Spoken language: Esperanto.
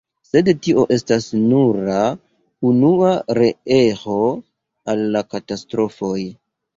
Sed tio estas nura unua reeĥo al la katastrofoj.